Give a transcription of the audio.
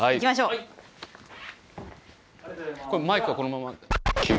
これマイクはこのまま？